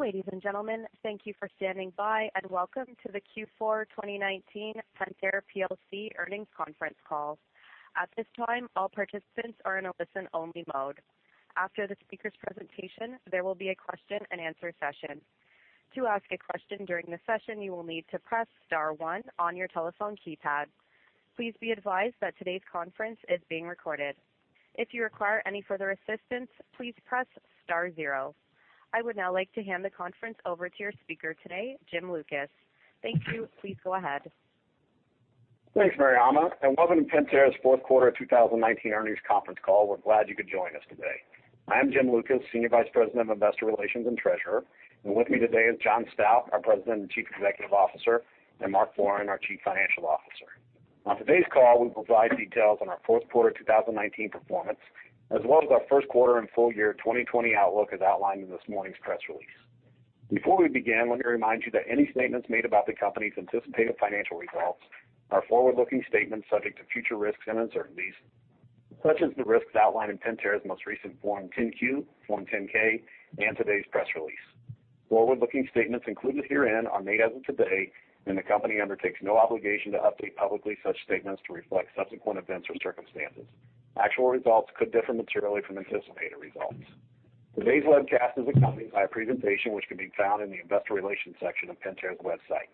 Ladies and gentlemen, thank you for standing by, and welcome to the Q4 2019 Pentair plc earnings conference call. At this time, all participants are in a listen-only mode. After the speaker's presentation, there will be a Q&A session. To ask a question during the session, you will need to press star one on your telephone keypad. Please be advised that today's conference is being recorded. If you require any further assistance, please press star zero. I would now like to hand the conference over to your speaker today, Jim Lucas. Thank you. Please go ahead. Thanks, Mariama, and welcome to Pentair's fourth quarter 2019 earnings conference call. We're glad you could join us today. I am Jim Lucas, Senior Vice President of Investor Relations and Treasurer, and with me today is John Stauch, our President and Chief Executive Officer, and Mark Borin, our Chief Financial Officer. On today's call, we'll provide details on our fourth quarter 2019 performance, as well as our first quarter and full year 2020 outlook as outlined in this morning's press release. Before we begin, let me remind you that any statements made about the company's anticipated financial results are forward-looking statements subject to future risks and uncertainties, such as the risks outlined in Pentair's most recent Form 10-Q, Form 10-K, and today's press release. Forward-looking statements included herein are made as of today, and the company undertakes no obligation to update publicly such statements to reflect subsequent events or circumstances. Actual results could differ materially from anticipated results. Today's webcast is accompanied by a presentation which can be found in the investor relations section of Pentair's website.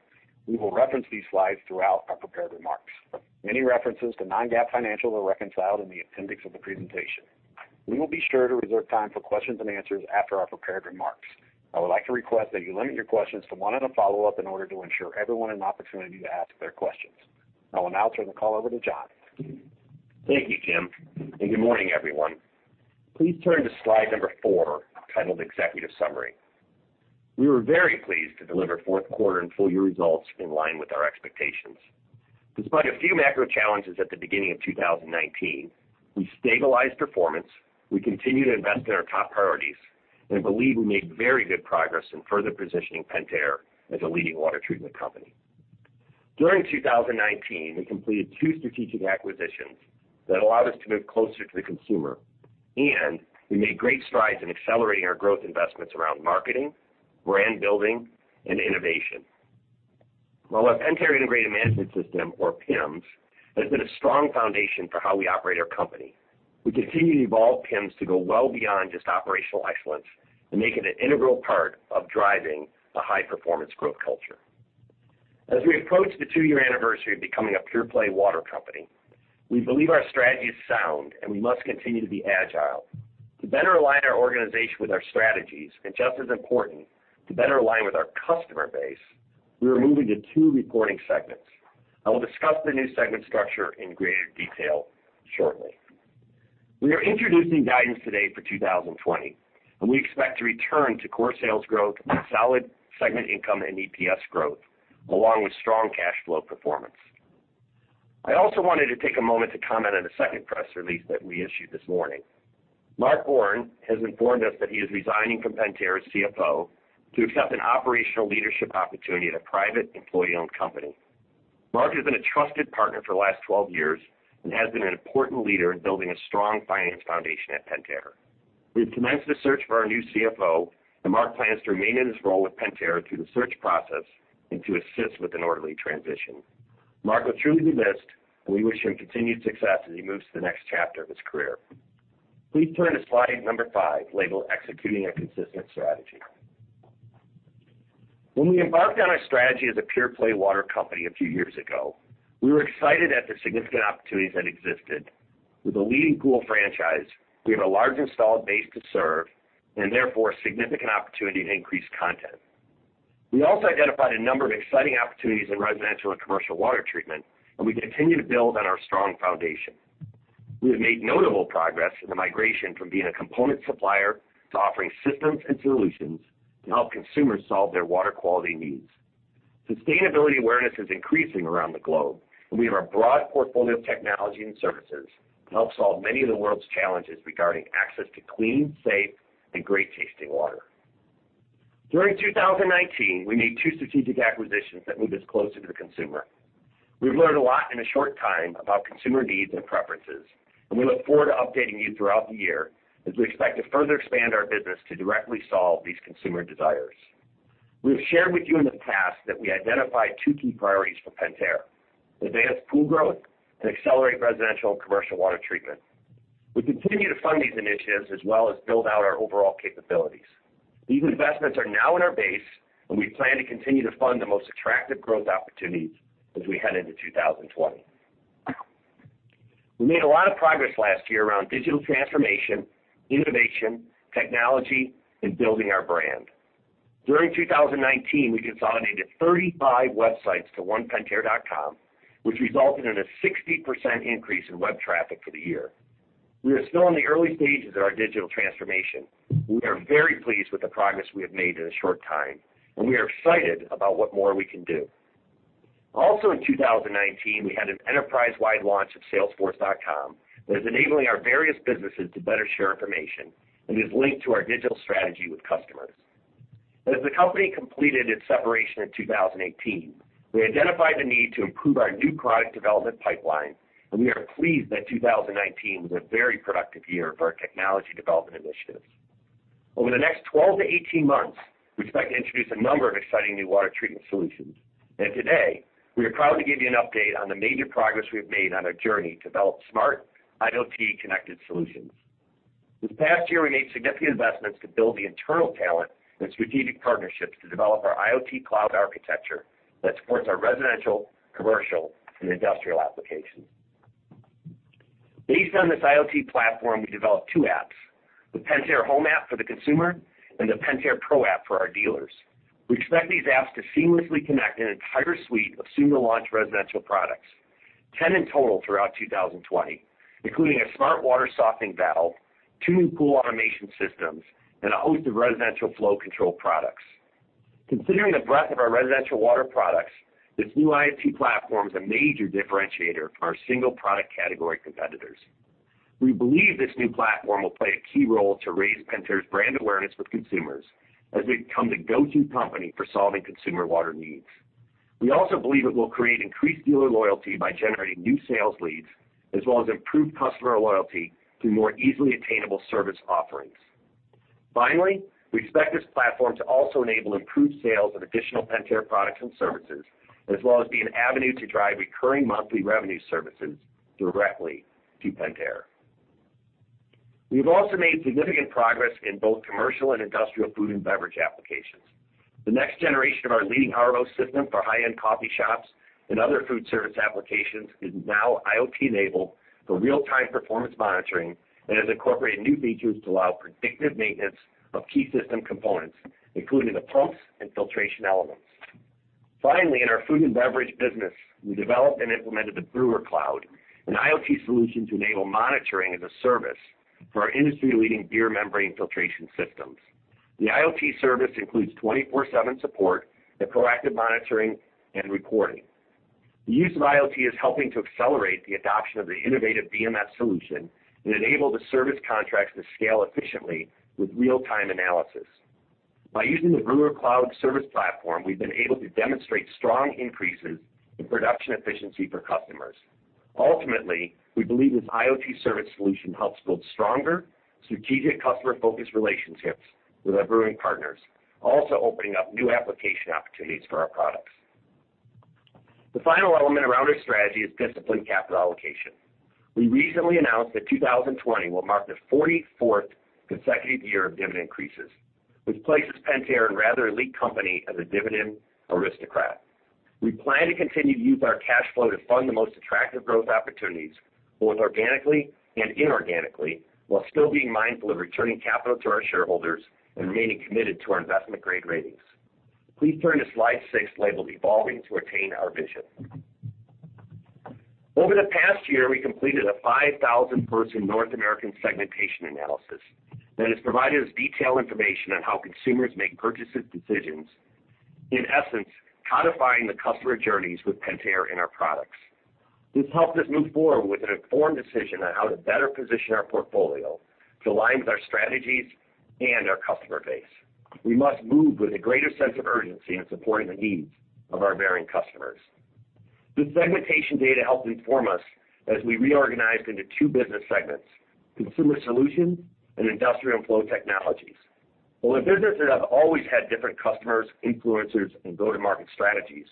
We will reference these slides throughout our prepared remarks. Many references to non-GAAP financials are reconciled in the appendix of the presentation. We will be sure to reserve time for Q&A after our prepared remarks. I would like to request that you limit your questions to one and a follow-up in order to ensure everyone an opportunity to ask their questions. I will now turn the call over to John. Thank you, Jim, and good morning, everyone. Please turn to slide number four, titled Executive Summary. We were very pleased to deliver fourth quarter and full year results in line with our expectations. Despite a few macro challenges at the beginning of 2019, we stabilized performance, we continued to invest in our top priorities, and believe we made very good progress in further positioning Pentair as a leading water treatment company. During 2019, we completed two strategic acquisitions that allowed us to move closer to the consumer, and we made great strides in accelerating our growth investments around marketing, brand building, and innovation. While our Pentair Integrated Management System, or PIMS, has been a strong foundation for how we operate our company, we continue to evolve PIMS to go well beyond just operational excellence and make it an integral part of driving a high-performance growth culture. As we approach the two-year anniversary of becoming a pure-play water company, we believe our strategy is sound, and we must continue to be agile. To better align our organization with our strategies, and just as important, to better align with our customer base, we are moving to two reporting segments. I will discuss the new segment structure in greater detail shortly. We are introducing guidance today for 2020, and we expect to return to core sales growth and solid segment income and EPS growth, along with strong cash flow performance. I also wanted to take a moment to comment on a second press release that we issued this morning. Mark Borin has informed us that he is resigning from Pentair as CFO to accept an operational leadership opportunity at a private employee-owned company. Mark has been a trusted partner for the last 12 years and has been an important leader in building a strong finance foundation at Pentair. We have commenced a search for our new CFO, and Mark plans to remain in his role with Pentair through the search process and to assist with an orderly transition. Mark will truly be missed, and we wish him continued success as he moves to the next chapter of his career. Please turn to slide number five, labeled Executing a Consistent Strategy. When we embarked on our strategy as a pure-play water company a few years ago, we were excited at the significant opportunities that existed. With a leading pool franchise, we have a large installed base to serve, and therefore, significant opportunity to increase content. We also identified a number of exciting opportunities in residential and commercial water treatment, and we continue to build on our strong foundation. We have made notable progress in the migration from being a component supplier to offering systems and solutions to help consumers solve their water quality needs. Sustainability awareness is increasing around the globe, and we have a broad portfolio of technology and services to help solve many of the world's challenges regarding access to clean, safe, and great-tasting water. During 2019, we made two strategic acquisitions that moved us closer to the consumer. We've learned a lot in a short time about consumer needs and preferences, and we look forward to updating you throughout the year as we expect to further expand our business to directly solve these consumer desires. We have shared with you in the past that we identified two key priorities for Pentair, advanced pool growth and accelerated residential and commercial water treatment. We continue to fund these initiatives as well as build out our overall capabilities. These investments are now in our base, and we plan to continue to fund the most attractive growth opportunities as we head into 2020. We made a lot of progress last year around digital transformation, innovation, technology, and building our brand. During 2019, we consolidated 35 websites to onepentair.com, which resulted in a 60% increase in web traffic for the year. We are still in the early stages of our digital transformation, and we are very pleased with the progress we have made in a short time, and we are excited about what more we can do. In 2019, we had an enterprise-wide launch of salesforce.com that is enabling our various businesses to better share information and is linked to our digital strategy with customers. As the company completed its separation in 2018, we identified the need to improve our new product development pipeline. We are pleased that 2019 was a very productive year for our technology development initiatives. Over the next 12-18 months, we expect to introduce a number of exciting new water treatment solutions. Today, we are proud to give you an update on the major progress we've made on our journey to develop smart IoT connected solutions. This past year, we made significant investments to build the internal talent and strategic partnerships to develop our IoT cloud architecture that supports our residential, commercial, and industrial applications. Based on this IoT platform, we developed two apps, the Pentair Home app for the consumer, and the Pentair Pro app for our dealers. We expect these apps to seamlessly connect an entire suite of soon-to-launch residential products, 10 in total throughout 2020, including a smart water softening valve, two new pool automation systems, and a host of residential flow control products. Considering the breadth of our residential water products, this new IoT platform is a major differentiator for our single product category competitors. We believe this new platform will play a key role to raise Pentair's brand awareness with consumers as we become the go-to company for solving consumer water needs. We also believe it will create increased dealer loyalty by generating new sales leads as well as improve customer loyalty through more easily attainable service offerings. Finally, we expect this platform to also enable improved sales of additional Pentair products and services, as well as be an avenue to drive recurring monthly revenue services directly to Pentair. We've also made significant progress in both commercial and industrial food and beverage applications. The next generation of our leading RO system for high-end coffee shops and other food service applications is now IoT enabled for real-time performance monitoring and has incorporated new features to allow predictive maintenance of key system components, including the pumps and filtration elements. Finally, in our food and beverage business, we developed and implemented the Brewer Cloud, an IoT solution to enable monitoring as a service for our industry-leading beer Membrane Filtration systems. The IoT service includes 24/7 support and proactive monitoring and reporting. The use of IoT is helping to accelerate the adoption of the innovative BMS solution and enable the service contracts to scale efficiently with real-time analysis. By using the Brewer Cloud service platform, we've been able to demonstrate strong increases in production efficiency for customers. Ultimately, we believe this IoT service solution helps build stronger strategic customer focus relationships with our brewing partners, also opening up new application opportunities for our products. The final element around our strategy is disciplined capital allocation. We recently announced that 2020 will mark the 44th consecutive year of dividend increases, which places Pentair in rather elite company as a dividend aristocrat. We plan to continue to use our cash flow to fund the most attractive growth opportunities, both organically and inorganically, while still being mindful of returning capital to our shareholders and remaining committed to our investment-grade ratings. Please turn to slide six, labeled "Evolving to attain our vision." Over the past year, we completed a 5,000-person North American segmentation analysis that has provided us detailed information on how consumers make purchasing decisions, in essence, codifying the customer journeys with Pentair and our products. This helped us move forward with an informed decision on how to better position our portfolio to align with our strategies and our customer base. We must move with a greater sense of urgency in supporting the needs of our varying customers. This segmentation data helped inform us as we reorganized into two business segments, Consumer Solutions and Industrial & Flow Technologies. While the businesses have always had different customers, influencers, and go-to-market strategies,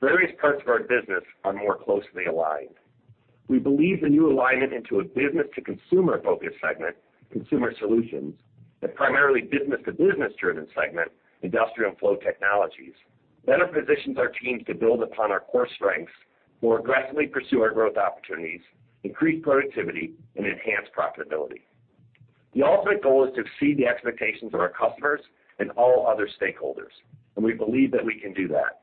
various parts of our business are more closely aligned. We believe the new alignment into a business to consumer-focused segment, Consumer Solutions, and primarily business to business-driven segment, Industrial & Flow Technologies, better positions our teams to build upon our core strengths, more aggressively pursue our growth opportunities, increase productivity, and enhance profitability. The ultimate goal is to exceed the expectations of our customers and all other stakeholders. We believe that we can do that.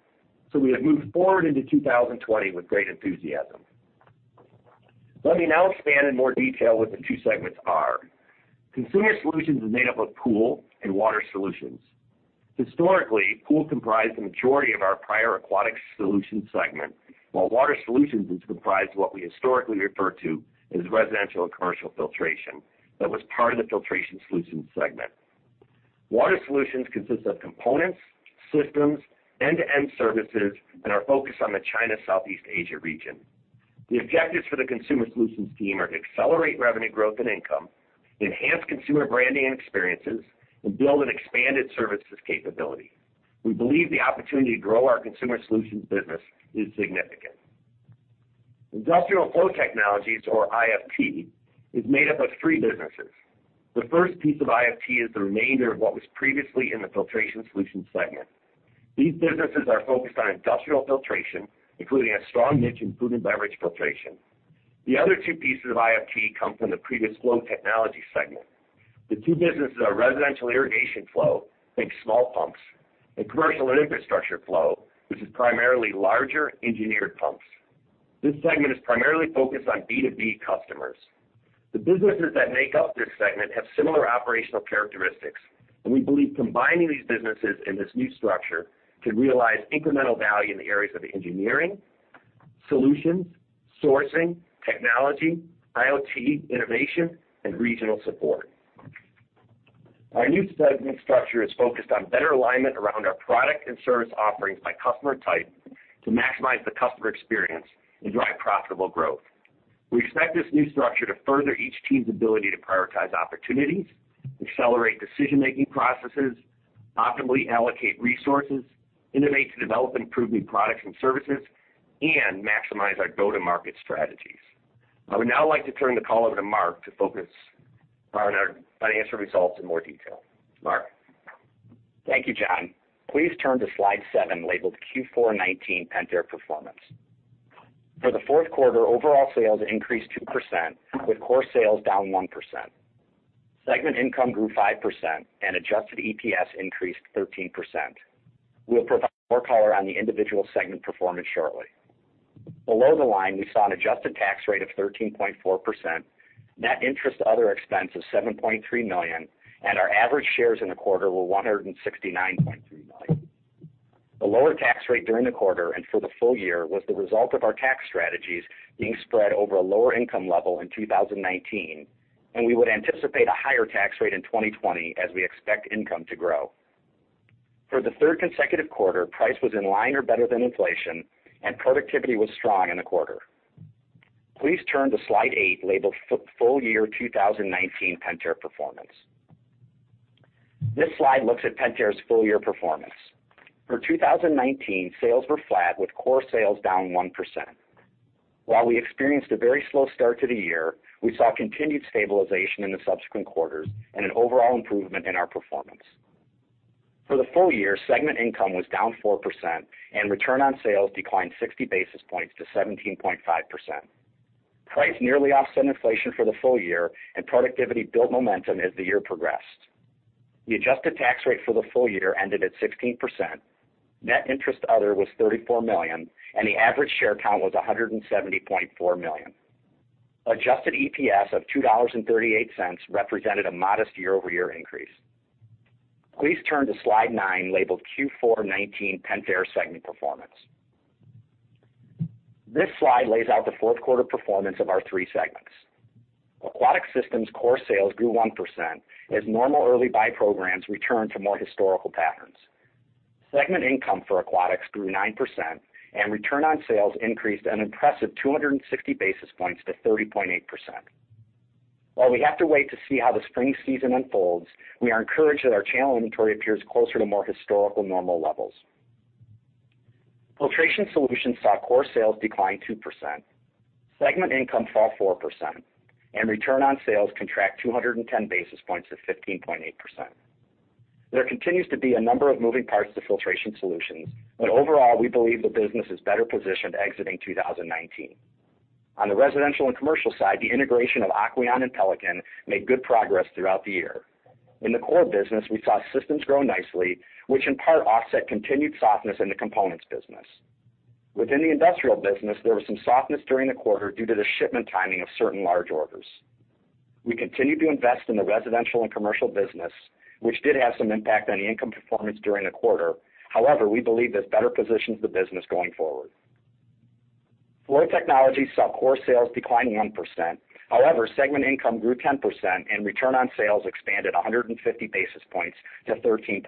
We have moved forward into 2020 with great enthusiasm. Let me now expand in more detail what the two segments are. Consumer Solutions is made up of Pool and Water Solutions. Historically, Pool comprised the majority of our prior Aquatics Solutions segment, while Water Solutions is comprised of what we historically refer to as residential and commercial filtration that was part of the Filtration Solutions segment. Water Solutions consists of components, systems, end-to-end services, and are focused on the China Southeast Asia region. The objectives for the Consumer Solutions team are to accelerate revenue growth and income, enhance consumer branding and experiences, and build an expanded services capability. We believe the opportunity to grow our Consumer Solutions business is significant. Industrial & Flow Technologies, or IFT, is made up of three businesses. The first piece of IFT is the remainder of what was previously in the Filtration Solutions segment. These businesses are focused on industrial filtration, including a strong niche in food and beverage filtration. The other two pieces of IFT come from the previous Flow Technology segment. The two businesses are residential irrigation flow, think small pumps, and commercial and infrastructure flow, which is primarily larger engineered pumps. This segment is primarily focused on B2B customers. The businesses that make up this segment have similar operational characteristics. We believe combining these businesses in this new structure can realize incremental value in the areas of engineering, solutions, sourcing, technology, IoT, innovation, and regional support. Our new segment structure is focused on better alignment around our product and service offerings by customer type to maximize the customer experience and drive profitable growth. We expect this new structure to further each team's ability to prioritize opportunities, accelerate decision-making processes, optimally allocate resources, innovate to develop and improve new products and services, and maximize our go-to-market strategies. I would now like to turn the call over to Mark to focus on our financial results in more detail. Mark? Thank you, John. Please turn to slide seven, labeled Q4 2019 Pentair Performance. For the fourth quarter, overall sales increased 2%, with core sales down 1%. Segment income grew 5%, and adjusted EPS increased 13%. We'll provide more color on the individual segment performance shortly. Below the line, we saw an adjusted tax rate of 13.4%, net interest other expense of $7.3 million, and our average shares in the quarter were 169.3 million. The lower tax rate during the quarter and for the full year was the result of our tax strategies being spread over a lower income level in 2019, and we would anticipate a higher tax rate in 2020 as we expect income to grow. For the third consecutive quarter, price was in line or better than inflation, and productivity was strong in the quarter. Please turn to slide eight, labeled Full Year 2019 Pentair Performance. This slide looks at Pentair's full year performance. For 2019, sales were flat with core sales down 1%. While we experienced a very slow start to the year, we saw continued stabilization in the subsequent quarters and an overall improvement in our performance. For the full year, segment income was down 4%, and return on sales declined 60 basis points to 17.5%. Price nearly offset inflation for the full year, and productivity built momentum as the year progressed. The adjusted tax rate for the full year ended at 16%, net interest other was $34 million, and the average share count was 170.4 million. Adjusted EPS of $2.38 represented a modest year-over-year increase. Please turn to slide nine, labeled Q4 2019 Pentair Segment Performance. This slide lays out the fourth quarter performance of our three segments. Aquatic Systems core sales grew 1% as normal early buy programs returned to more historical patterns. Segment income for Aquatics grew 9%, and return on sales increased an impressive 260 basis points to 30.8%. While we have to wait to see how the spring season unfolds, we are encouraged that our channel inventory appears closer to more historical normal levels. Filtration Solutions saw core sales decline 2%. Segment income fall 4%, and return on sales contract 210 basis points to 15.8%. There continues to be a number of moving parts to Filtration Solutions, but overall, we believe the business is better positioned exiting 2019. On the residential and commercial side, the integration of Aquion and Pelican made good progress throughout the year. In the core business, we saw systems grow nicely, which in part offset continued softness in the components business. Within the industrial business, there was some softness during the quarter due to the shipment timing of certain large orders. We continued to invest in the residential and commercial business, which did have some impact on the income performance during the quarter. However, we believe this better positions the business going forward. Flow Technologies saw core sales decline 1%. However, segment income grew 10%, and return on sales expanded 150 basis points to 13.5%.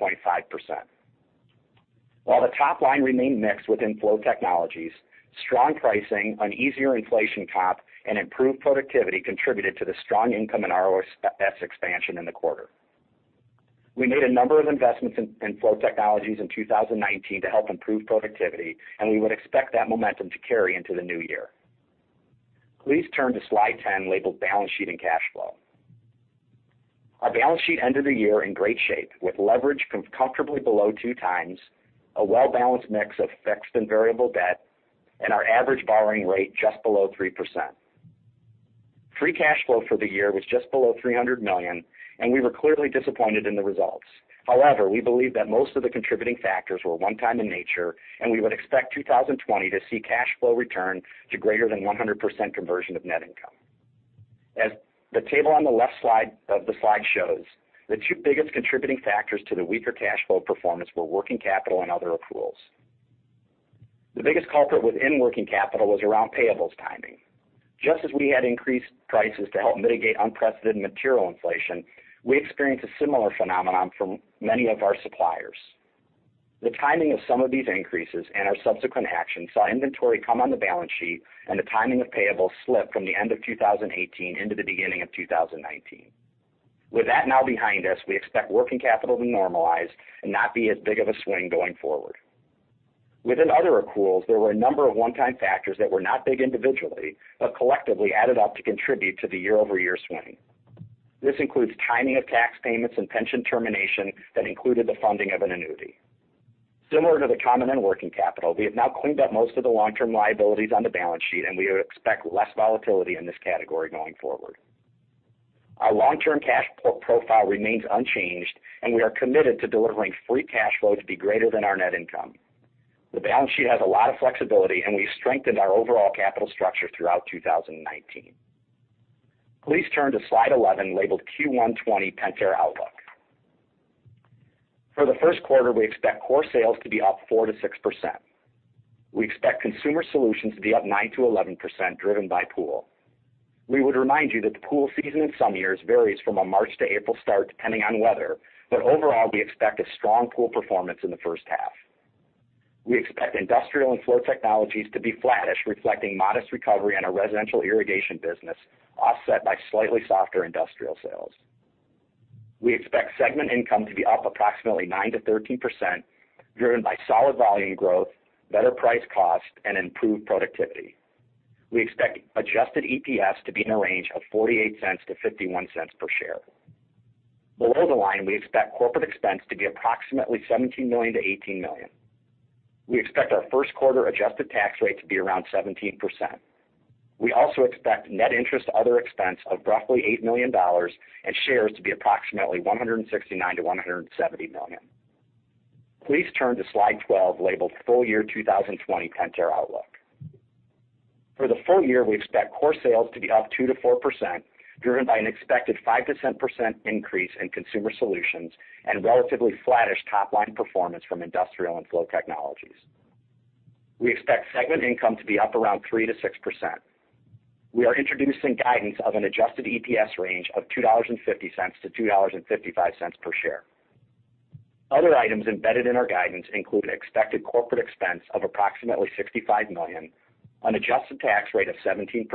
While the top line remained mixed within Flow Technologies, strong pricing, an easier inflation comp, and improved productivity contributed to the strong income and ROS expansion in the quarter. We made a number of investments in Flow Technologies in 2019 to help improve productivity, and we would expect that momentum to carry into the new year. Please turn to slide 10, labeled Balance Sheet and Cash Flow. Our balance sheet ended the year in great shape with leverage comfortably below two times, a well-balanced mix of fixed and variable debt, and our average borrowing rate just below 3%. Free cash flow for the year was just below $300 million, and we were clearly disappointed in the results. However, we believe that most of the contributing factors were one time in nature, and we would expect 2020 to see cash flow return to greater than 100% conversion of net income. As the table on the left of the slide shows, the two biggest contributing factors to the weaker cash flow performance were working capital and other accruals. The biggest culprit within working capital was around payables timing. Just as we had increased prices to help mitigate unprecedented material inflation, we experienced a similar phenomenon from many of our suppliers. The timing of some of these increases and our subsequent actions saw inventory come on the balance sheet and the timing of payables slip from the end of 2018 into the beginning of 2019. With that now behind us, we expect working capital to normalize and not be as big of a swing going forward. Within other accruals, there were a number of one-time factors that were not big individually, but collectively added up to contribute to the year-over-year swing. This includes timing of tax payments and pension termination that included the funding of an annuity. Similar to the common and working capital, we have now cleaned up most of the long-term liabilities on the balance sheet, and we expect less volatility in this category going forward. Our long-term cash flow profile remains unchanged, and we are committed to delivering free cash flow to be greater than our net income. The balance sheet has a lot of flexibility. We strengthened our overall capital structure throughout 2019. Please turn to slide 11, labeled Q1 2020 Pentair Outlook. For the first quarter, we expect core sales to be up 4%-6%. We expect Consumer Solutions to be up 9%-11%, driven by pool. We would remind you that the pool season in some years varies from a March to April start, depending on weather, but overall, we expect a strong pool performance in the first half. We expect Industrial & Flow Technologies to be flattish, reflecting modest recovery in our residential irrigation business, offset by slightly softer industrial sales. We expect segment income to be up approximately 9%-13%, driven by solid volume growth, better price cost, and improved productivity. We expect adjusted EPS to be in a range of $0.48-$0.51 per share. Below the line, we expect corporate expense to be approximately $17 million-$18 million. We expect our first quarter adjusted tax rate to be around 17%. We also expect net interest other expense of roughly $8 million and shares to be approximately 169 million-170 million. Please turn to slide 12, labeled Full Year 2020 Pentair Outlook. For the full year, we expect core sales to be up 2%-4%, driven by an expected 5%-7% increase in Consumer Solutions and relatively flattish top-line performance from Industrial and Flow Technologies. We expect segment income to be up around 3%-6%. We are introducing guidance of an adjusted EPS range of $2.50-$2.55 per share. Other items embedded in our guidance include an expected corporate expense of approximately $65 million on an adjusted tax rate of 17%,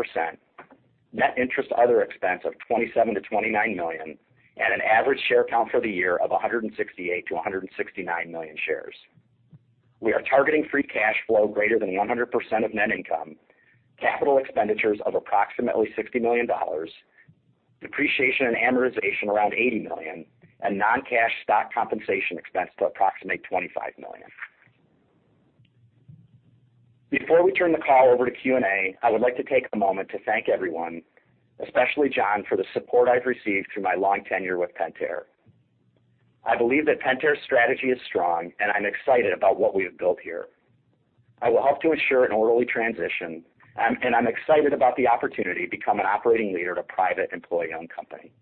net interest other expense of $27 million-$29 million, and an average share count for the year of 168 million-169 million shares. We are targeting free cash flow greater than 100% of net income, capital expenditures of approximately $60 million, depreciation and amortization around $80 million, and non-cash stock compensation expense to approximate $25 million. Before we turn the call over to Q&A, I would like to take a moment to thank everyone, especially John, for the support I've received through my long tenure with Pentair. I believe that Pentair's strategy is strong, and I'm excited about what we have built here. I will help to ensure an orderly transition, and I'm excited about the opportunity to become an operating leader at a private employee-owned company.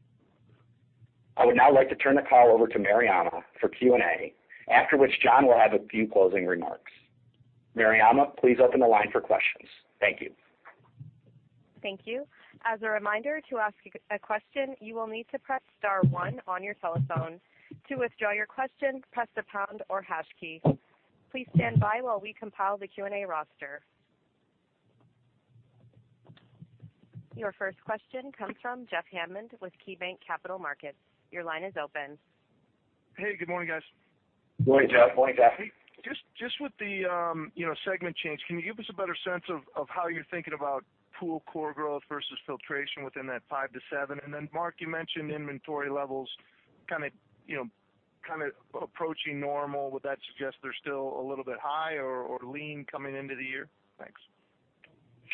I would now like to turn the call over to Mariama for Q&A, after which John will have a few closing remarks. Mariama, please open the line for questions. Thank you. Thank you. As a reminder, to ask a question, you will need to press star one on your telephone. To withdraw your question, press the pound or hash key. Please stand by while we compile the Q&A roster. Your first question comes from Jeff Hammond with KeyBanc Capital Markets. Your line is open. Hey, good morning, guys. Morning, Jeff. Morning, Jeff. Just with the segment change, can you give us a better sense of how you're thinking about pool core growth versus filtration within that 5%-7%? Mark, you mentioned inventory levels kind of approaching normal. Would that suggest they're still a little bit high or lean coming into the year? Thanks.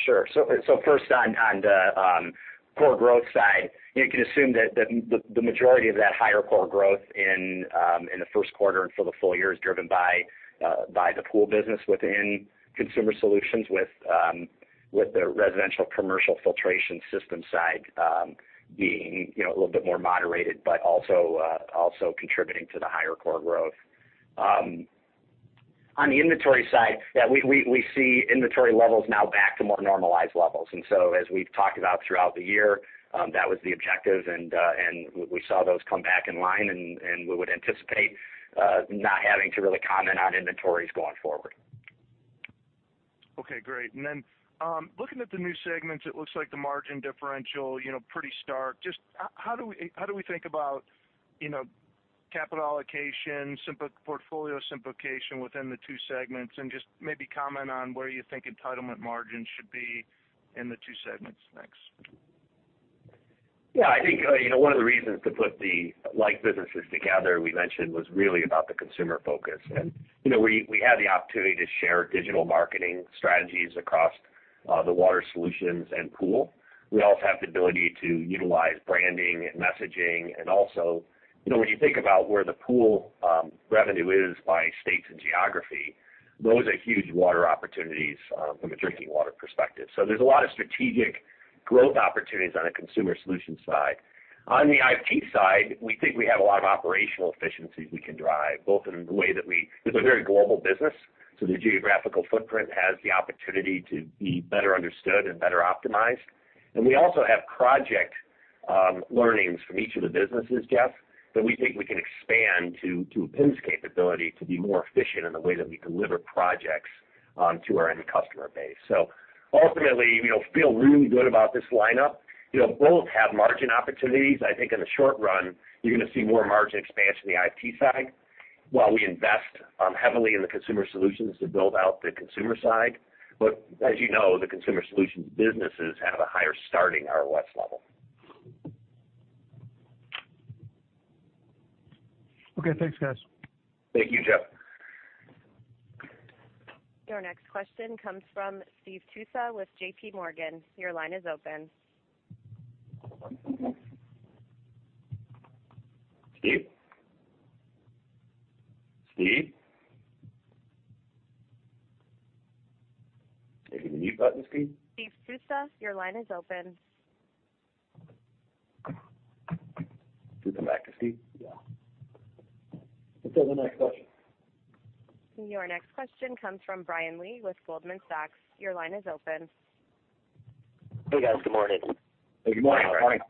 Sure. First, on the core growth side, you can assume that the majority of that higher core growth in the first quarter and for the full year is driven by the pool business within Consumer Solutions with the residential commercial filtration system side being a little bit more moderated but also contributing to the higher core growth. On the inventory side, we see inventory levels now back to more normalized levels. As we've talked about throughout the year, that was the objective, and we saw those come back in line, and we would anticipate not having to really comment on inventories going forward. Okay, great. Looking at the new segments, it looks like the margin differential pretty stark. Just how do we think about capital allocation, portfolio simplification within the two segments? Just maybe comment on where you think entitlement margins should be in the two segments. Thanks. Yeah, I think one of the reasons to put the like businesses together, we mentioned, was really about the consumer focus. We had the opportunity to share digital marketing strategies across the Water Solutions and pool. We also have the ability to utilize branding and messaging. Also, when you think about where the pool revenue is by states and geography, those are huge water opportunities from a drinking water perspective. There's a lot of strategic growth opportunities on the Consumer Solutions side. On the IFT side, we think we have a lot of operational efficiencies we can drive, both in that it's a very global business, so the geographical footprint has the opportunity to be better understood and better optimized. We also have project learnings from each of the businesses, Jeff, that we think we can expand to PIMS capability to be more efficient in the way that we deliver projects to our end customer base. Ultimately, feel really good about this lineup. Both have margin opportunities. I think in the short run, you're going to see more margin expansion in the IFT side while we invest heavily in the Consumer Solutions to build out the consumer side. As you know, the Consumer Solutions businesses have a higher starting ROS level. Okay, thanks, guys. Thank you, Jeff. Your next question comes from Steve Tusa with JPMorgan. Your line is open. Steve? Steve? Hitting the mute button, Steve. Steve Tusa, your line is open. Should we come back to Steve? Yeah. Let's go to the next question. Your next question comes from Brian Lee with Goldman Sachs. Your line is open. Hey guys, good morning. Good morning. Good morning.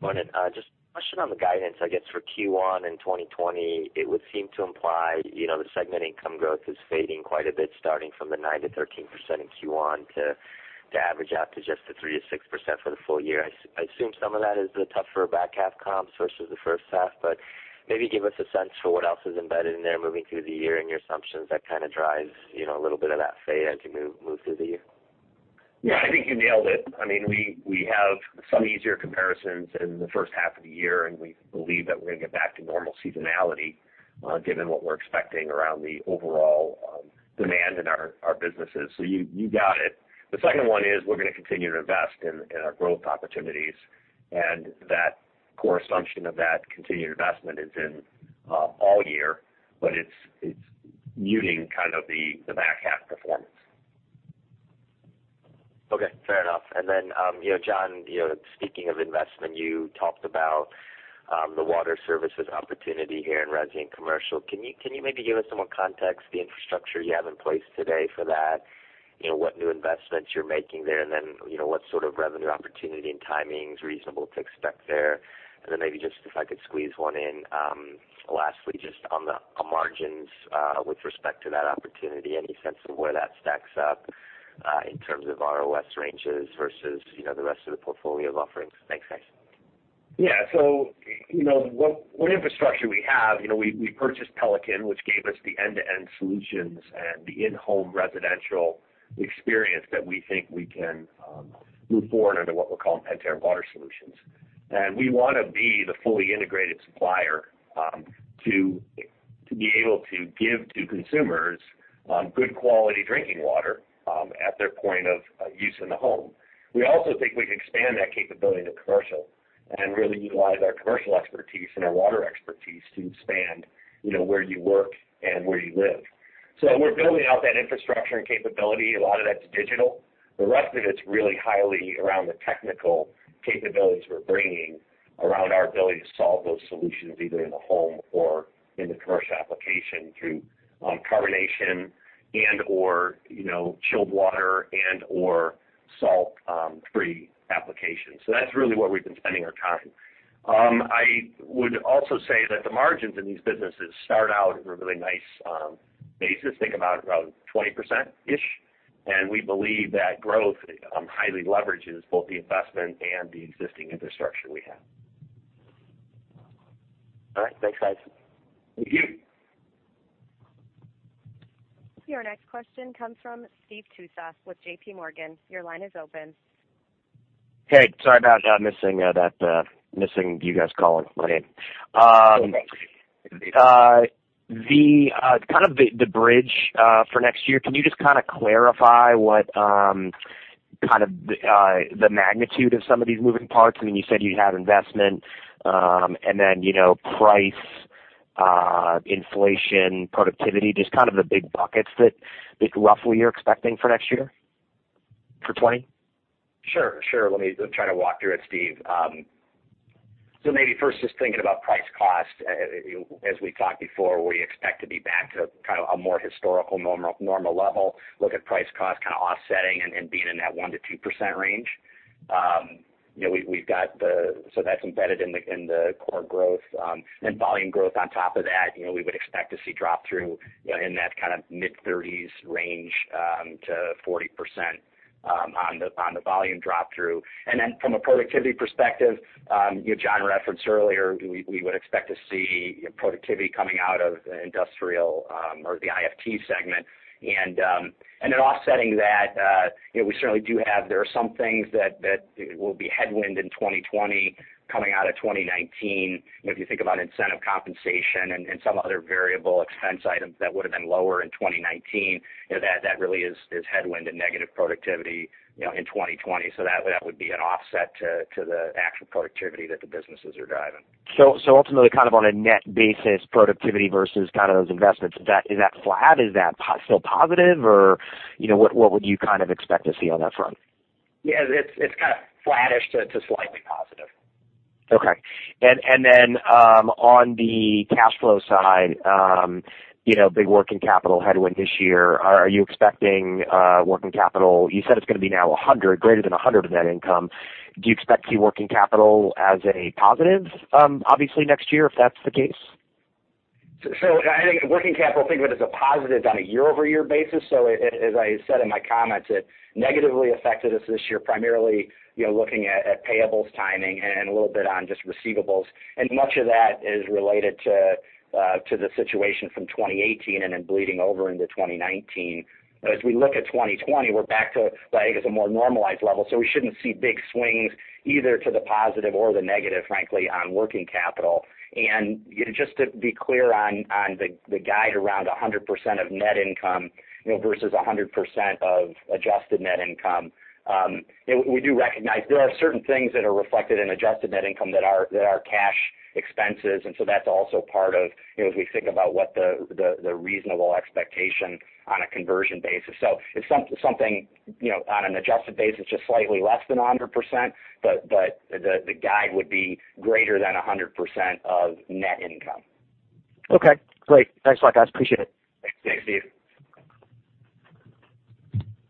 Morning. Just a question on the guidance, I guess, for Q1 in 2020. It would seem to imply the segment income growth is fading quite a bit, starting from the 9%-13% in Q1 to average out to just the 3%-6% for the full year. I assume some of that is the tougher back half comps versus the first half. Maybe give us a sense for what else is embedded in there moving through the year and your assumptions that kind of drives a little bit of that fade as you move through the year. Yeah, I think you nailed it. We have some easier comparisons in the first half of the year, and we believe that we're going to get back to normal seasonality given what we're expecting around the overall demand in our businesses. You got it. The second one is we're going to continue to invest in our growth opportunities, and that core assumption of that continued investment is in all year, but it's muting kind of the back half performance. Okay, fair enough. John, speaking of investment, you talked about the water services opportunity here in resi and commercial. Can you maybe give us some more context, the infrastructure you have in place today for that? What new investments you're making there, and then what sort of revenue opportunity and timing is reasonable to expect there? Maybe just if I could squeeze one in. Lastly, just on the margins with respect to that opportunity, any sense of where that stacks up in terms of ROS ranges versus the rest of the portfolio of offerings? Thanks, guys. Yeah. What infrastructure we have, we purchased Pelican, which gave us the end-to-end solutions and the in-home residential experience that we think we can move forward under what we're calling Pentair Water Solutions. We want to be the fully integrated supplier to be able to give to consumers good quality drinking water at their point of use in the home. We also think we can expand that capability into commercial and really utilize our commercial expertise and our water expertise to expand where you work and where you live. We're building out that infrastructure and capability. A lot of that's digital. The rest of it's really highly around the technical capabilities we're bringing around our ability to solve those solutions, either in the home or in the commercial application through carbonation and/or chilled water and/or salt-free applications. That's really where we've been spending our time. I would also say that the margins in these businesses start out at a really nice basis. Think about it around 20%-ish, and we believe that growth highly leverages both the investment and the existing infrastructure we have. All right. Thanks, guys. Thank you. Your next question comes from Steve Tusa with JPMorgan. Your line is open. Hey, sorry about missing you guys calling my name. No problem, Steve. Kind of the bridge for next year, can you just kind of clarify what kind of the magnitude of some of these moving parts? You said you'd have investment, and then price, inflation, productivity, just kind of the big buckets that roughly you're expecting for next year, for 2020? Sure. Let me try to walk through it, Steve. Maybe first just thinking about price cost, as we talked before, we expect to be back to kind of a more historical normal level. Look at price cost kind of offsetting and being in that 1%-2% range. That's embedded in the core growth. Volume growth on top of that, we would expect to see drop through in that kind of mid-30s range to 40% on the volume drop through. From a productivity perspective, John referenced earlier, we would expect to see productivity coming out of the Industrial or the IFT segment. Offsetting that, we certainly do have, there are some things that will be headwind in 2020 coming out of 2019. If you think about incentive compensation and some other variable expense items that would've been lower in 2019, that really is headwind and negative productivity in 2020. That would be an offset to the actual productivity that the businesses are driving. Ultimately kind of on a net basis productivity versus kind of those investments, is that flat? Is that still positive, or what would you kind of expect to see on that front? Yeah, it's kind of flattish to slightly positive. Okay. On the cash flow side, big working capital headwind this year. You said it's going to be now $100, greater than $100 of net income. Do you expect to see working capital as a positive, obviously next year, if that's the case? I think working capital, think of it as a positive on a year-over-year basis. As I said in my comments, it negatively affected us this year, primarily looking at payables timing and a little bit on just receivables. Much of that is related to the situation from 2018 and then bleeding over into 2019. As we look at 2020, we're back to what I think is a more normalized level, so we shouldn't see big swings either to the positive or the negative, frankly, on working capital. Just to be clear on the guide around 100% of net income versus 100% of adjusted net income, we do recognize there are certain things that are reflected in adjusted net income that are cash expenses, and so that's also part of as we think about what the reasonable expectation on a conversion basis. It's something on an adjusted basis, just slightly less than 100%, but the guide would be greater than 100% of net income. Okay, great. Thanks a lot, guys. Appreciate it. Thanks. Thanks, Steve.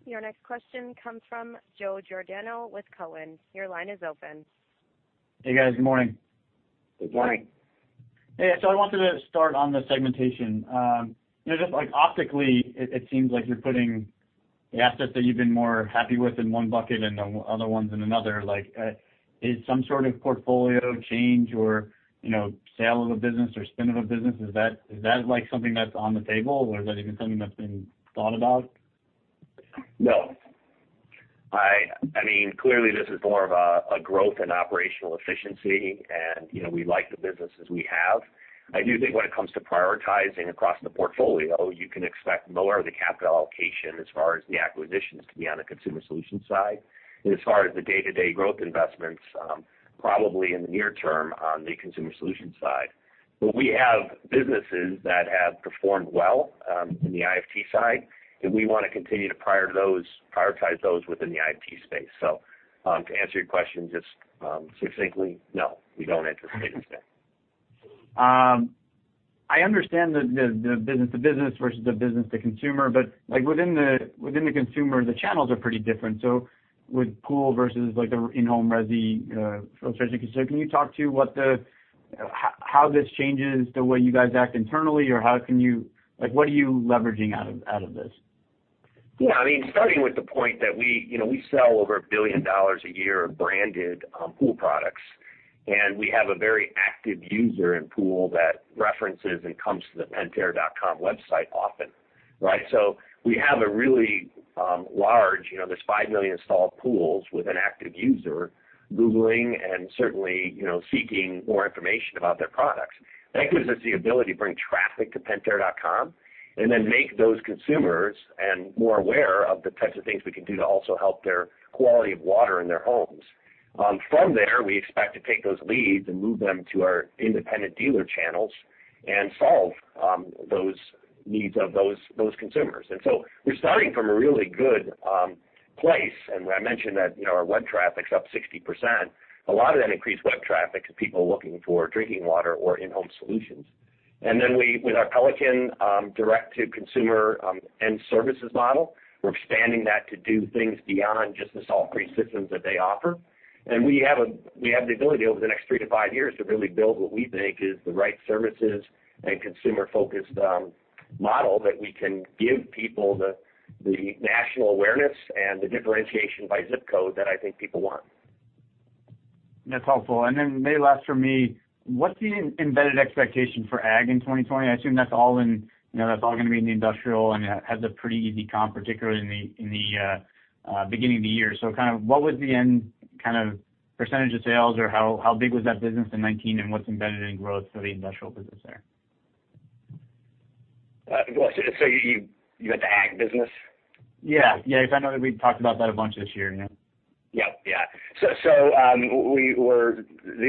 Your next question comes from Joe Giordano with Cowen. Your line is open. Hey, guys. Good morning. Good morning. Hey. I wanted to start on the segmentation. Just optically, it seems like you're putting the assets that you've been more happy with in one bucket and the other ones in another. Is some sort of portfolio change or sale of a business or spin of a business, is that something that's on the table, or is that even something that's been thought about? No. Clearly, this is more of a growth and operational efficiency, and we like the businesses we have. I do think when it comes to prioritizing across the portfolio, you can expect more of the capital allocation as far as the acquisitions to be on the Consumer Solutions side. As far as the day-to-day growth investments, probably in the near term on the Consumer Solutions side. We have businesses that have performed well in the IFT side, and we want to continue to prioritize those within the IFT space. To answer your question just succinctly, no, we don't anticipate it today. I understand the business to business versus the business to consumer, but within the consumer, the channels are pretty different, with pool versus the in-home resi, filtration. Can you talk to how this changes the way you guys act internally, or what are you leveraging out of this? Yeah. Starting with the point that we sell over $1 billion a year of branded pool products, and we have a very active user in pool that references and comes to the pentair.com website often, right? We have a really large, there's 5 million installed pools with an active user Googling and certainly seeking more information about their products. That gives us the ability to bring traffic to pentair.com and then make those consumers and more aware of the types of things we can do to also help their quality of water in their homes. From there, we expect to take those leads and move them to our independent dealer channels and solve those needs of those consumers. We're starting from a really good place, and I mentioned that our web traffic's up 60%. A lot of that increased web traffic is people looking for drinking water or in-home solutions. With our Pelican direct-to-consumer end services model, we're expanding that to do things beyond just the salt-free systems that they offer. We have the ability over the next three to five years to really build what we think is the right services and consumer-focused model that we can give people the national awareness and the differentiation by ZIP code that I think people want. That's helpful. Maybe last for me, what's the embedded expectation for aquaculture in 2020? I assume that's all going to be in the industrial and has a pretty easy comp, particularly in the beginning of the year. Kind of what was the end percentage of sales, or how big was that business in 2019, and what's embedded in growth for the industrial business there? You got the Ag business? Yeah. Because I know that we've talked about that a bunch this year. Yeah. Yeah. The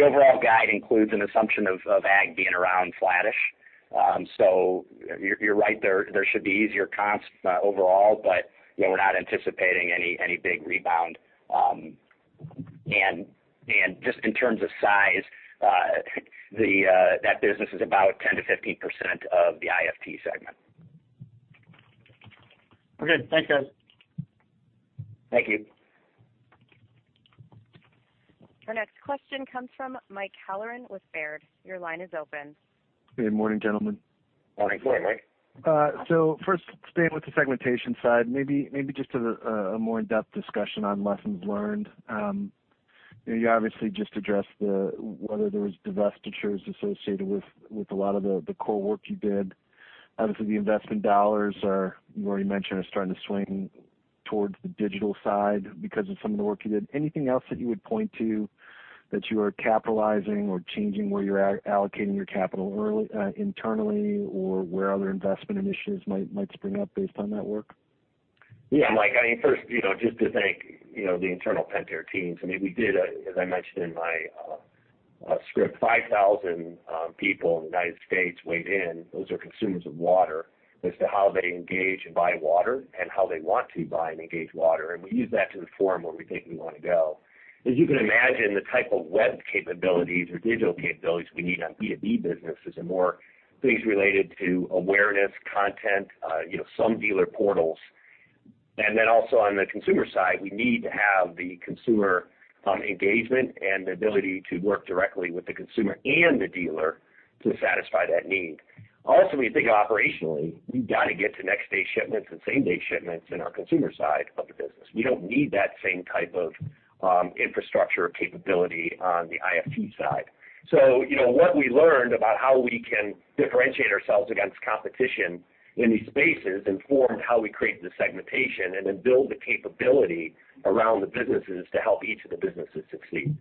overall guide includes an assumption of Ag being around flattish. You're right, there should be easier comps overall, but we're not anticipating any big rebound. Just in terms of size, that business is about 10%-15% of the IFT segment. Okay. Thanks, guys. Thank you. Our next question comes from Mike Halloran with Baird. Your line is open. Good morning, gentlemen. Morning. Good morning, Mike. First, staying with the segmentation side, maybe just a more in-depth discussion on lessons learned. You obviously just addressed whether there was divestitures associated with a lot of the core work you did. Obviously, the investment dollars are, you already mentioned, starting to swing towards the digital side because of some of the work you did. Anything else that you would point to that you are capitalizing or changing where you're allocating your capital internally or where other investment initiatives might spring up based on that work? Yeah, Mike, first, just to thank the internal Pentair teams. We did, as I mentioned in my script, 5,000 people in the U.S. weighed in, those are consumers of water, as to how they engage and buy water and how they want to buy and engage water. We use that to inform where we think we want to go. As you can imagine, the type of web capabilities or digital capabilities we need on B2B businesses are more things related to awareness, content, some dealer portals. Also on the consumer side, we need to have the consumer engagement and the ability to work directly with the consumer and the dealer to satisfy that need. Also, we think operationally, we've got to get to next-day shipments and same-day shipments in our consumer side of the business. We don't need that same type of infrastructure capability on the IFT side. What we learned about how we can differentiate ourselves against competition in these spaces informed how we create the segmentation and then build the capability around the businesses to help each of the businesses succeed.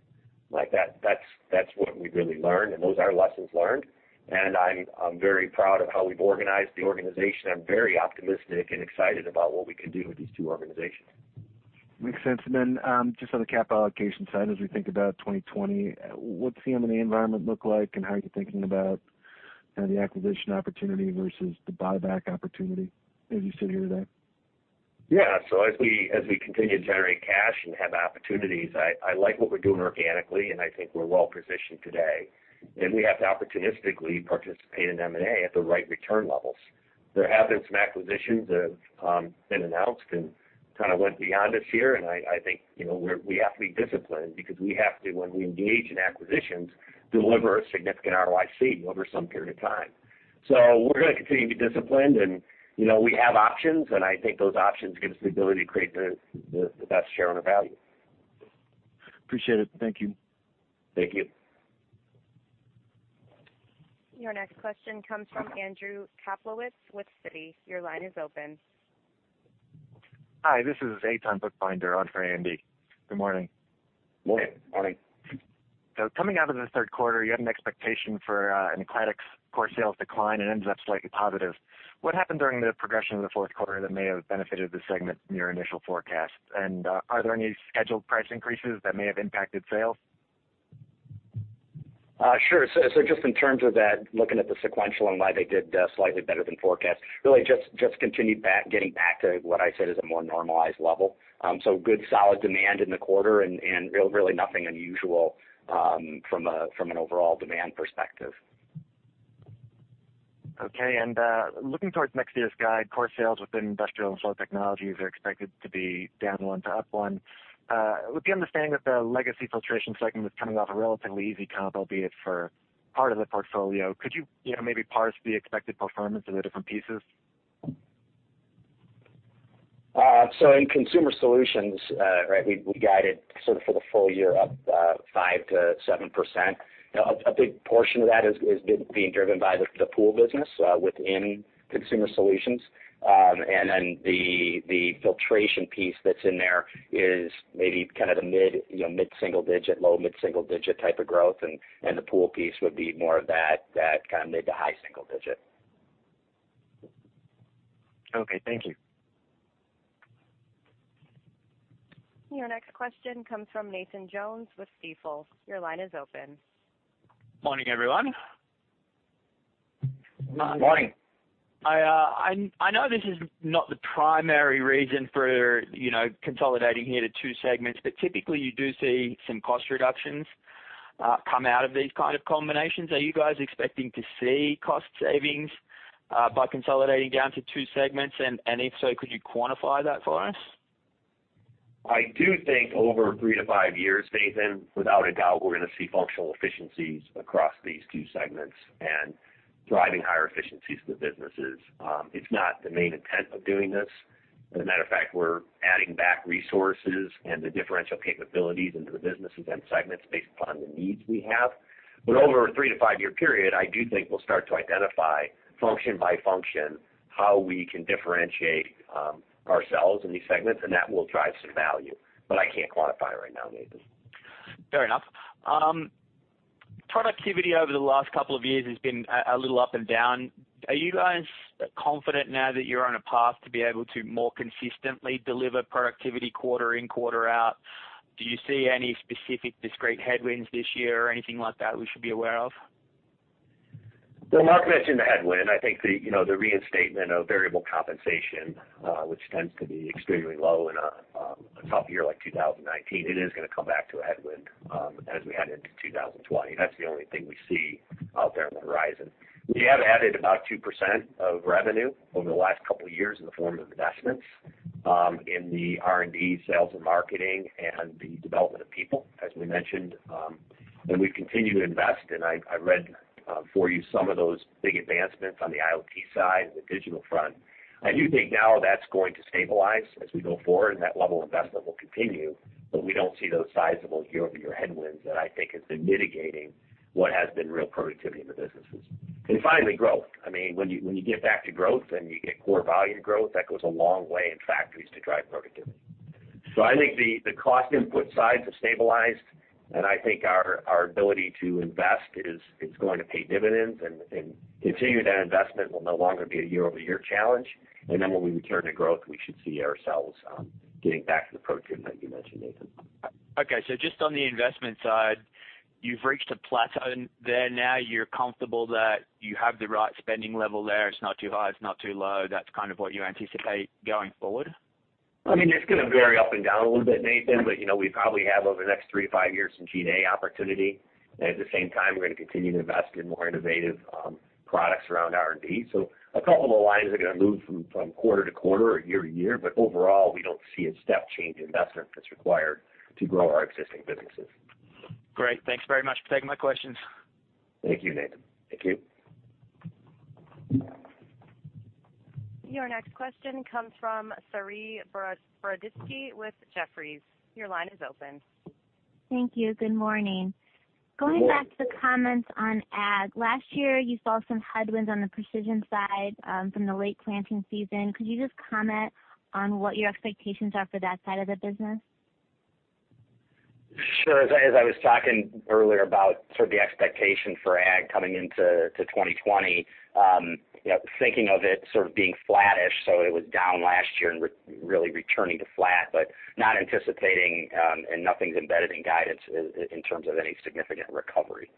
Mike, that's what we've really learned, and those are lessons learned. I'm very proud of how we've organized the organization. I'm very optimistic and excited about what we can do with these two organizations. Makes sense. Then just on the cap allocation side, as we think about 2020, what's the M&A environment look like, and how are you thinking about the acquisition opportunity versus the buyback opportunity as you sit here today? Yeah. As we continue to generate cash and have opportunities, I like what we're doing organically, and I think we're well-positioned today. We have to opportunistically participate in M&A at the right return levels. There have been some acquisitions that have been announced and kind of went beyond us here, and I think we have to be disciplined because we have to, when we engage in acquisitions, deliver a significant ROIC over some period of time. We're going to continue to be disciplined and we have options, and I think those options give us the ability to create the best shareowner value. Appreciate it. Thank you. Thank you. Your next question comes from Andrew Kaplowitz with Citi. Your line is open. Hi, this is Eitan Buchbinder on for Andy. Good morning. Morning. Morning. Coming out of the third quarter, you had an expectation for an Aquatics core sales decline and it ends up slightly positive. What happened during the progression of the fourth quarter that may have benefited the segment from your initial forecast? Are there any scheduled price increases that may have impacted sales? Sure. Just in terms of that, looking at the sequential and why they did slightly better than forecast, really just continued getting back to what I said is a more normalized level. Good solid demand in the quarter and really nothing unusual from an overall demand perspective. Okay. Looking towards next year's guide, core sales within Industrial & Flow Technologies are expected to be down one to up one. With the understanding that the legacy filtration segment is coming off a relatively easy comp, albeit for part of the portfolio, could you maybe parse the expected performance of the different pieces? In Consumer Solutions, we guided sort of for the full year up 5% to 7%. A big portion of that is being driven by the pool business within Consumer Solutions. The filtration piece that's in there is maybe kind of the mid-single digit, low mid-single digit type of growth, and the pool piece would be more of that kind of mid to high single digit. Okay. Thank you. Your next question comes from Nathan Jones with Stifel. Your line is open. Morning, everyone. Morning. Morning. I know this is not the primary reason for consolidating here to two segments, typically you do see some cost reductions come out of these kind of combinations. Are you guys expecting to see cost savings by consolidating down to two segments? If so, could you quantify that for us? I do think over three to five years, Nathan, without a doubt, we're going to see functional efficiencies across these two segments and driving higher efficiencies to the businesses. It's not the main intent of doing this. As a matter of fact, we're adding back resources and the differential capabilities into the businesses and segments based upon the needs we have. Over a three to five-year period, I do think we'll start to identify function by function how we can differentiate ourselves in these segments, and that will drive some value. I can't quantify right now, Nathan. Fair enough. Productivity over the last couple of years has been a little up and down. Are you guys confident now that you're on a path to be able to more consistently deliver productivity quarter in, quarter out? Do you see any specific discrete headwinds this year or anything like that we should be aware of? Mark mentioned the headwind. I think the reinstatement of variable compensation, which tends to be extremely low in a tough year like 2019, it is going to come back to a headwind as we head into 2020. That's the only thing we see out there on the horizon. We have added about 2% of revenue over the last couple of years in the form of investments in the R&D, sales and marketing, and the development of people, as we mentioned. We continue to invest, and I read for you some of those big advancements on the IoT side and the digital front. I do think now that's going to stabilize as we go forward and that level of investment will continue, but we don't see those sizable year-over-year headwinds that I think have been mitigating what has been real productivity in the businesses. Finally, growth. When you get back to growth and you get core volume growth, that goes a long way in factories to drive productivity. I think the cost input sides have stabilized, and I think our ability to invest is going to pay dividends, and continuing that investment will no longer be a year-over-year challenge. When we return to growth, we should see ourselves getting back to the productivity that you mentioned, Nathan. Okay. Just on the investment side, you've reached a plateau there. Now you're comfortable that you have the right spending level there. It's not too high. It's not too low. That's kind of what you anticipate going forward? It's going to vary up and down a little bit, Nathan, but we probably have over the next three to five years some G&A opportunity. At the same time, we're going to continue to invest in more innovative products around R&D. A couple of the lines are going to move from quarter to quarter or year to year, but overall, we don't see a step change in investment that's required to grow our existing businesses. Great. Thanks very much for taking my questions. Thank you, Nathan. Thank you. Your next question comes from Saree Boroditsky with Jefferies. Your line is open. Thank you. Good morning. Morning. Going back to comments on Ag, last year you saw some headwinds on the precision side from the late planting season. Could you just comment on what your expectations are for that side of the business? Sure. As I was talking earlier about sort of the expectation for Ag coming into 2020, thinking of it sort of being flattish, so it was down last year and really returning to flat, but not anticipating, and nothing's embedded in guidance in terms of any significant recovery.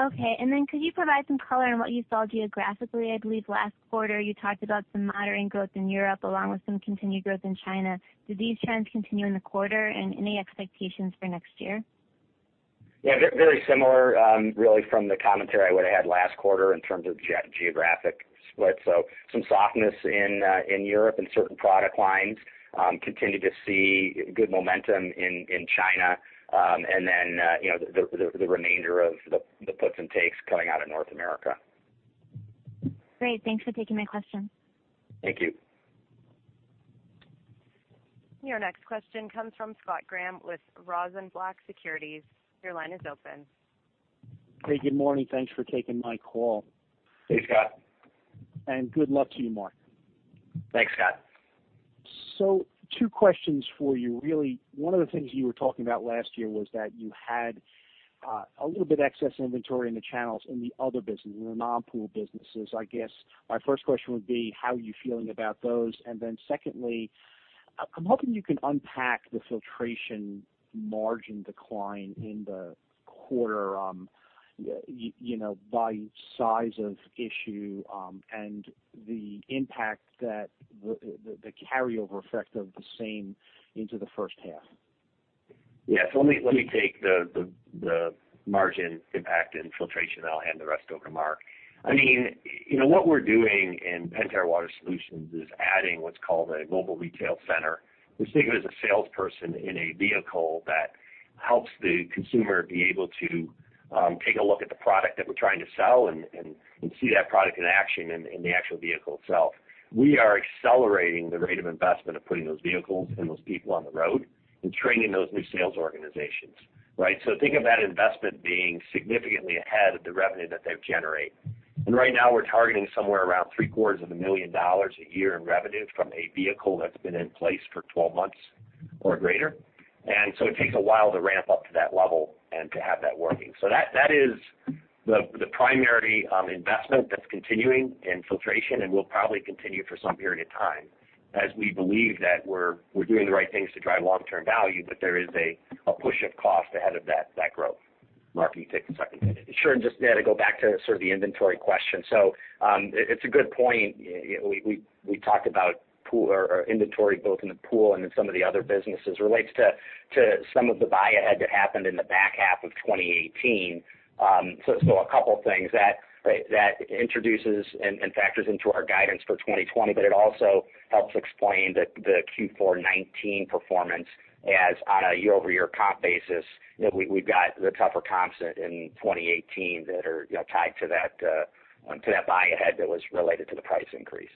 Okay. Could you provide some color on what you saw geographically? I believe last quarter you talked about some moderating growth in Europe along with some continued growth in China. Do these trends continue in the quarter? Any expectations for next year? Yeah. Very similar, really, from the commentary I would've had last quarter in terms of geographic split. Some softness in Europe in certain product lines. Continue to see good momentum in China. The remainder of the puts and takes coming out of North America. Great. Thanks for taking my question. Thank you. Your next question comes from Scott Graham with Rosenblatt Securities. Your line is open. Hey, good morning. Thanks for taking my call. Hey, Scott. Good luck to you, Mark. Thanks, Scott. Two questions for you, really. One of the things you were talking about last year was that you had a little bit excess inventory in the channels in the other business, in the non-pool businesses. I guess my first question would be, how are you feeling about those? Secondly, I'm hoping you can unpack the filtration margin decline in the quarter, by size of issue, and the impact that the carryover effect of the same into the first half. Let me take the margin impact and filtration, and I'll hand the rest over to Mark. What we're doing in Pentair Water Solutions is adding what's called a mobile retail center. Just think of it as a salesperson in a vehicle that helps the consumer be able to take a look at the product that we're trying to sell and see that product in action in the actual vehicle itself. We are accelerating the rate of investment of putting those vehicles and those people on the road and training those new sales organizations. Right? Think of that investment being significantly ahead of the revenue that they've generated. Right now we're targeting somewhere around three-quarters of a million dollars a year in revenue from a vehicle that's been in place for 12 months or greater. It takes a while to ramp up to that level and to have that working. That is the primary investment that's continuing in filtration, and will probably continue for some period of time as we believe that we're doing the right things to drive long-term value, but there is a push of cost ahead of that growth. Mark, you can take the second. Sure. Just, yeah, to go back to sort of the inventory question. It's a good point. We talked about inventory both in the pool and in some of the other businesses. It relates to some of the buy ahead that happened in the back half of 2018. Still a couple things that introduces and factors into our guidance for 2020, but it also helps explain the Q4 2019 performance as on a year-over-year comp basis. We've got the tougher comps in 2018 that are tied to that buy ahead that was related to the price increase.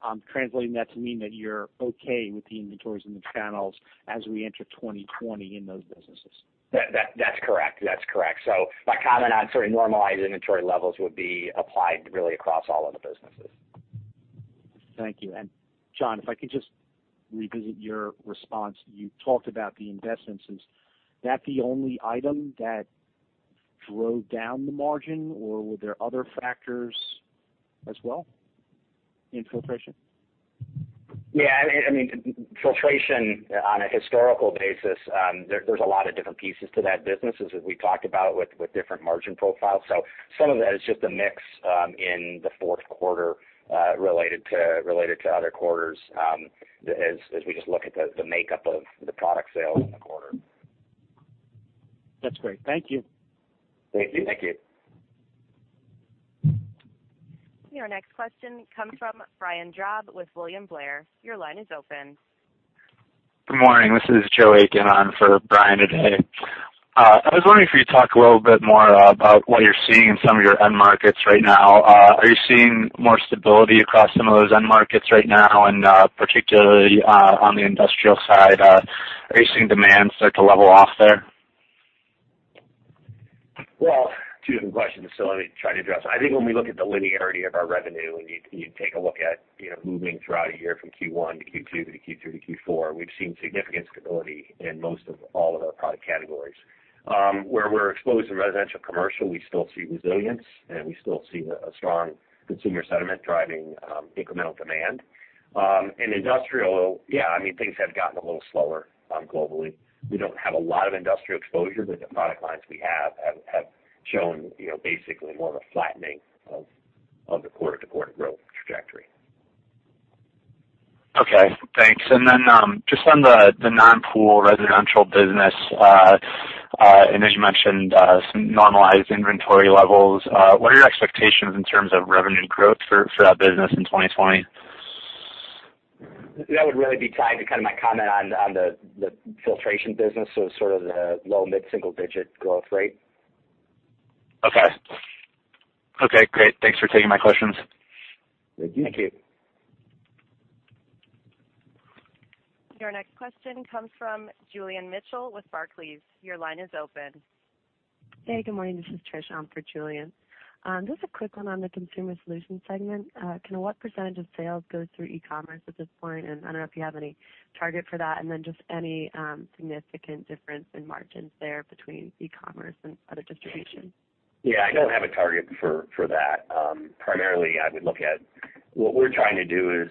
I'm translating that to mean that you're okay with the inventories in the channels as we enter 2020 in those businesses. That's correct. My comment on sort of normalized inventory levels would be applied really across all of the businesses. Thank you. John, if I could just revisit your response. You talked about the investments. Is that the only item that drove down the margin, or were there other factors as well in filtration? Yeah. Filtration on a historical basis, there's a lot of different pieces to that business as we talked about with different margin profiles. Some of that is just a mix in the fourth quarter, related to other quarters, as we just look at the makeup of the product sales in the quarter. That's great. Thank you. Thank you. Thank you. Your next question comes from Brian Drab with William Blair. Your line is open. Good morning. This is Joe Aiken on for Brian today. I was wondering if you could talk a little bit more about what you're seeing in some of your end markets right now. Are you seeing more stability across some of those end markets right now, and particularly, on the industrial side, are you seeing demand start to level off there? Well, two different questions. Let me try to address. I think when we look at the linearity of our revenue, you take a look at moving throughout a year from Q1 to Q2 to Q3 to Q4, we've seen significant stability in most of all of our product categories. Where we're exposed to residential commercial, we still see resilience. We still see a strong consumer sentiment driving incremental demand. In industrial, yeah, things have gotten a little slower globally. We don't have a lot of industrial exposure. The product lines we have have shown basically more of a flattening of the quarter-to-quarter growth trajectory. Okay, thanks. Then just on the non-pool residential business, and as you mentioned, some normalized inventory levels, what are your expectations in terms of revenue growth for that business in 2020? That would really be tied to kind of my comment on the filtration business, so sort of the low mid-single-digit growth rate. Okay. Okay, great. Thanks for taking my questions. Thank you. Thank you. Your next question comes from Julian Mitchell with Barclays. Your line is open. Hey, good morning. This is Trish. I'm for Julian. Just a quick one on the Consumer Solutions segment. Can what percentage of sales go through e-commerce at this point? I don't know if you have any target for that, and then just any significant difference in margins there between e-commerce and other distribution? Yeah, I don't have a target for that. Primarily, I would look at what we're trying to do is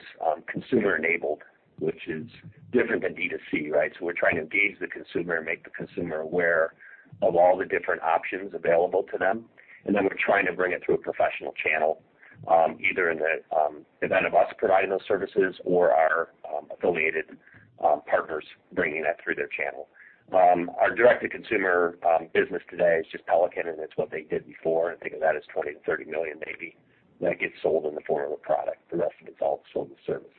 consumer-enabled, which is different than D2C, right? We're trying to engage the consumer and make the consumer aware of all the different options available to them, and then we're trying to bring it through a professional channel, either in the event of us providing those services or our affiliated partners bringing that through their channel. Our direct-to-consumer business today is just Pelican, and it's what they did before. I think of that as $20 million-$30 million maybe that gets sold in the form of a product. The rest of it's all sold as services.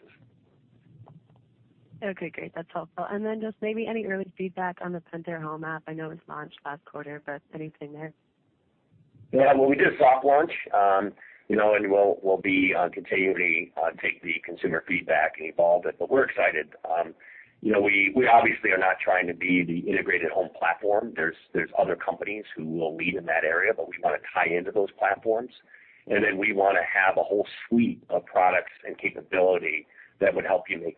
Okay, great. That's helpful. Just maybe any early feedback on the Pentair Home app. I know it was launched last quarter, but anything there? Yeah. Well, we did a soft launch, and we'll be continually take the consumer feedback and evolve it. We're excited. We obviously are not trying to be the integrated home platform. There's other companies who will lead in that area, but we want to tie into those platforms, and then we want to have a whole suite of products and capability that would help you make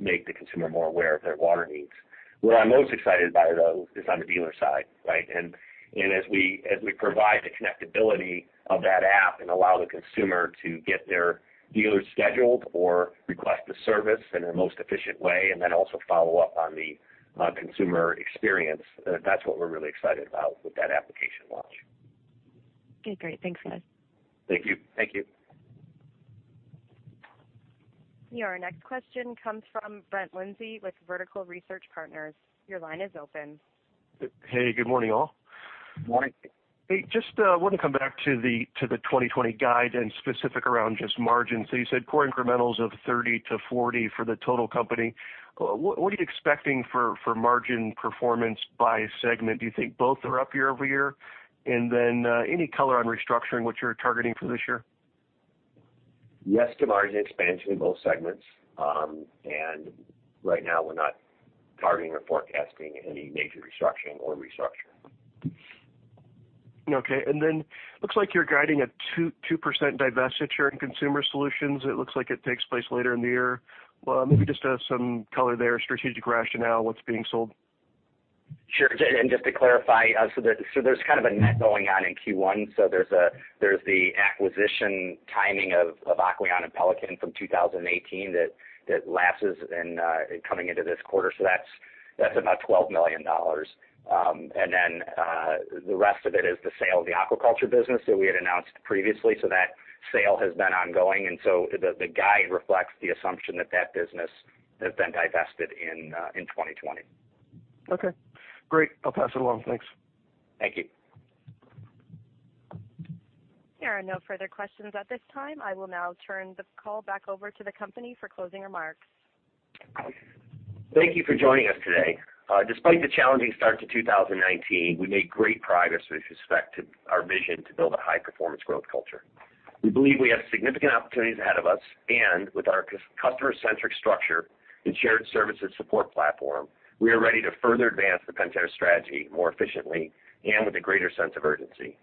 the consumer more aware of their water needs. What I'm most excited about, though, is on the dealer side, right? As we provide the connectability of that app and allow the consumer to get their dealer scheduled or request a service in their most efficient way, and then also follow up on the consumer experience, that's what we're really excited about with that application launch. Okay, great. Thanks, guys. Thank you. Your next question comes from Brett Linzey with Vertical Research Partners. Your line is open. Hey, good morning, all. Morning. Hey, just wanted to come back to the 2020 guide and specific around just margins. You said core incrementals of 30%-40% for the total company. What are you expecting for margin performance by segment? Do you think both are up year-over-year? Any color on restructuring, what you're targeting for this year? Yes to margin expansion in both segments. Right now, we're not targeting or forecasting any major restructuring or restructure. Okay. Looks like you're guiding a 2% divestiture in Consumer Solutions. It looks like it takes place later in the year. Maybe just some color there, strategic rationale, what's being sold? Sure. Just to clarify, there's kind of a net going on in Q1. There's the acquisition timing of Aquion and Pelican from 2018 that lapses in coming into this quarter. That's about $12 million. The rest of it is the sale of the aquaculture business that we had announced previously. That sale has been ongoing, the guide reflects the assumption that that business has been divested in 2020. Okay, great. I'll pass it along, thanks. Thank you. There are no further questions at this time. I will now turn the call back over to the company for closing remarks. Thank you for joining us today. Despite the challenging start to 2019, we made great progress with respect to our vision to build a high-performance growth culture. We believe we have significant opportunities ahead of us, and with our customer-centric structure and shared services support platform, we are ready to further advance the Pentair strategy more efficiently and with a greater sense of urgency.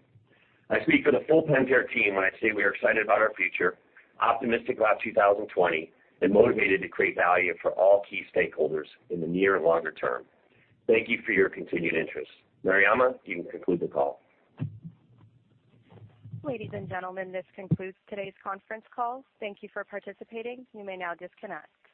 I speak for the full Pentair team when I say we are excited about our future, optimistic about 2020, and motivated to create value for all key stakeholders in the near and longer term. Thank you for your continued interest. Mariama, you can conclude the call. Ladies and gentlemen, this concludes today's conference call. Thank you for participating. You may now disconnect.